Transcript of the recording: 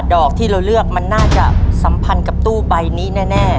อกที่เราเลือกมันน่าจะสัมพันธ์กับตู้ใบนี้แน่